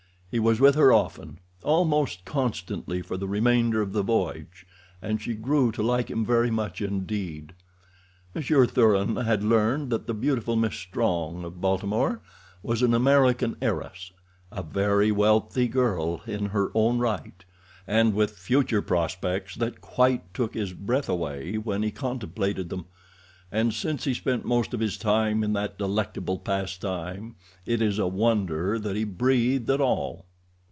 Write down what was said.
He was with her often—almost constantly for the remainder of the voyage—and she grew to like him very much indeed. Monsieur Thuran had learned that the beautiful Miss Strong, of Baltimore, was an American heiress—a very wealthy girl in her own right, and with future prospects that quite took his breath away when he contemplated them, and since he spent most of his time in that delectable pastime it is a wonder that he breathed at all.